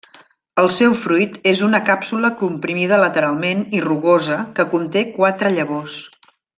El seu fruit és una càpsula comprimida lateralment i rugosa que conté quatre llavors.